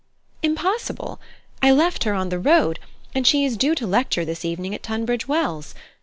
"Impossible! I left her on the road, and she is due to lecture this evening at Tunbridge Wells.